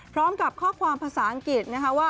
พร้อมกับข้อความภาษาอังกฤษนะคะว่า